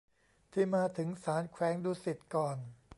ที่มาถึงศาลแขวงดุสิตก่อน